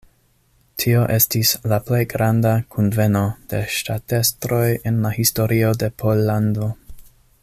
Tio estis la plej granda kunveno de ŝtatestroj en la historio de Pollando.